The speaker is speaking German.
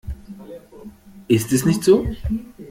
Ist es nicht so?